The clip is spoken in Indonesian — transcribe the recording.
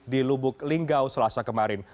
di lubuk linggau selasa kemarin